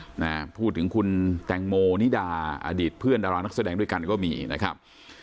นะฮะพูดถึงคุณแตงโมนิดาอดีตเพื่อนดารานักแสดงด้วยกันก็มีนะครับ